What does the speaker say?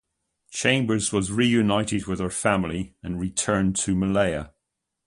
Chambers was reunited with her family and returned to Malaya.